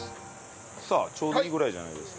さあちょうどいいぐらいじゃないですか？